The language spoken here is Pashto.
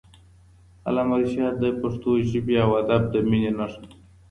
علامه رشاد د پښتو ژبې او ادب د مینې نښه ده.